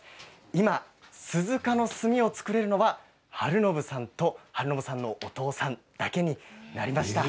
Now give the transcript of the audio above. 今、鈴鹿の墨を作れるのは晴信さんと、晴信さんのお父さんだけになりました。